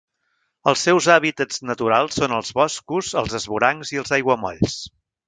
Els seus hàbitats naturals són els boscos, els esvorancs i els aiguamolls.